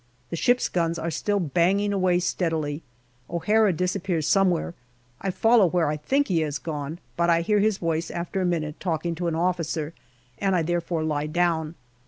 The ships' guns are still banging away steadily. O'Hara disappears somewhere. I follow where I think he has gone, but I hear his voice after a minute talking to an officer, and I therefore lie down.